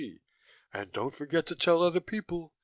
G.: And don't forget to tell other people.